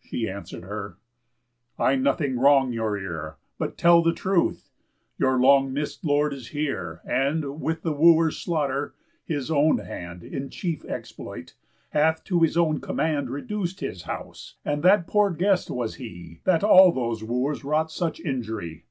She answer'd her: "I nothing wrong your ear, But tell the truth. Your long miss'd lord is here, And, with the Wooers' slaughter, his own hand, In chief exploit, hath to his own command Reduc'd his house; and that poor guest was he, That all those Wooers wrought such injury.